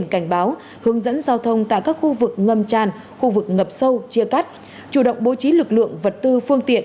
chủ động bố trí lực lượng vật tư phương tiện